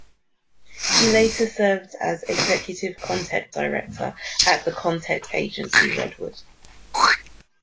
He later served as Executive Content Director at the content agency Redwood.